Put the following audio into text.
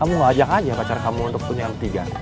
kamu ngajak aja pacar kamu untuk punya m tiga